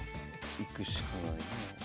行くしかないね。